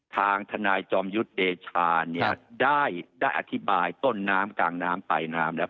ทางทนายจอมยุทธ์เดชาเนี่ยได้อธิบายต้นน้ำกลางน้ำปลายน้ำแล้ว